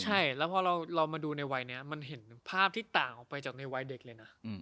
ใช่แล้วพอเรามาดูในวัยนี้มันเห็นภาพที่ต่างออกไปจากในวัยเด็กเลยนะ